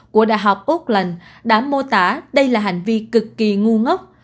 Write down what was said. của đại học okland đã mô tả đây là hành vi cực kỳ ngu ngốc